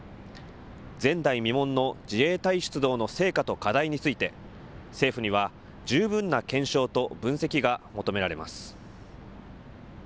前代未聞の自衛隊出動の成果と課題について、政府には十分な検証と分析が求められます。